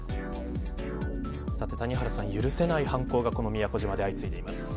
さて谷原さん、許せない犯行がこの宮古島で相次いでいます。